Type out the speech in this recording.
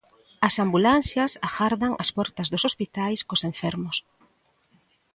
As ambulancias agardan ás portas dos hospitais cos enfermos.